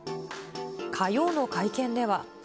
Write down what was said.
火曜の会見では。